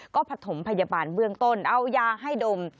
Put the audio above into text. ก็ผสมพยาบาลเบื้องต้นเอายาให้ดม